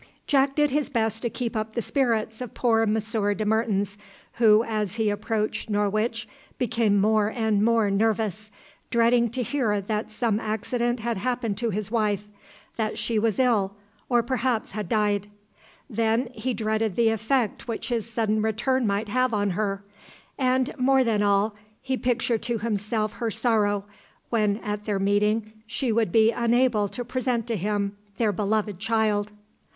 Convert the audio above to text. Jack did his best to keep up the spirits of poor Monsieur de Mertens, who as he approached Norwich became more and more nervous, dreading to hear that some accident had happened to his wife that she was ill, or perhaps had died. Then he dreaded the effect which his sudden return might have on her; and more than all he pictured to himself her sorrow, when at their meeting she would be unable to present to him their beloved child.